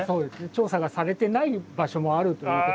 調査がされてない場所もあるということですので。